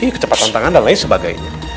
kecepatan tangan dan lain sebagainya